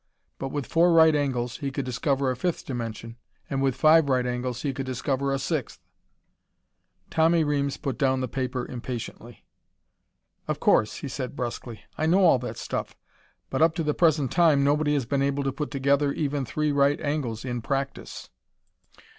But with four right angles he could discover a fifth dimension, and with five right angles he could discover a sixth...." Tommy Reames put down the paper impatiently. "Of course" he said brusquely. "I know all that stuff. But up to the present time nobody has been able to put together even three right angles, in practise."